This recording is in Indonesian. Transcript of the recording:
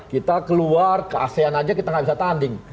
kita keluar ke asean aja kita nggak bisa tanding